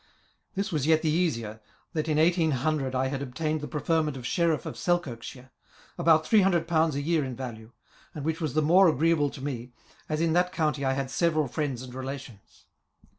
This was yet the easier, that in 1800 I had obtained the preferment of Sheriff of Selkirkshire, about £300 a year in value, and which was the more agreeable to me, as in that county I had several friends and relations.